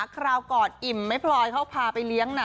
คราวก่อนอิ่มไม่พลอยเขาพาไปเลี้ยงนะ